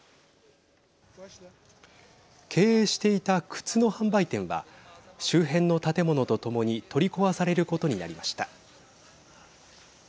経営していた靴の販売店は周辺の建物とともに取り壊されることになりました。